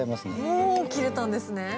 もう切れたんですね。